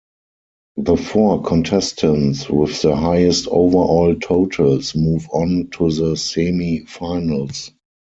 The four contestants with the highest overall totals move on to the semi-finals.